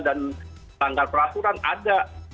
dan tanggal peraturan ada